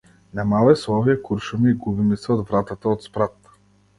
Не мавај со овие куршуми и губи ми се од вратата од спрат!